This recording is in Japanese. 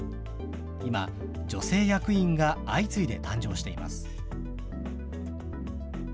今、女性役員が相次いで誕生しています。